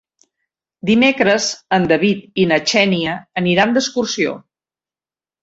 Dimecres en David i na Xènia aniran d'excursió.